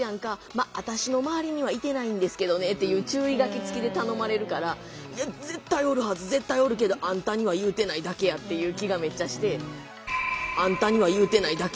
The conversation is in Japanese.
まあ私の周りにはいてないんですけどね」っていう注意書きつきで頼まれるから「絶対おるはず！絶対おるけどあんたには言うてないだけや」っていう気がめっちゃして。